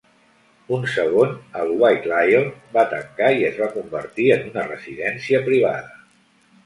Un segon, el White Lion, va tancar i es va convertir en una residència privada.